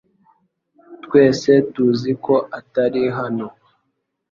Twese tuzi ko utari hano